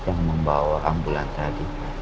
yang membawa ambulan tadi